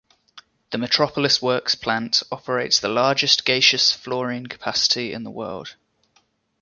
The Metropolis Works Plant operates the largest gaseous fluorine capacity in the world.